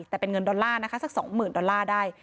แต่เป็นเงินดอลลาร์นะคะสัก๒๐๐๐ดอลลาร์ได้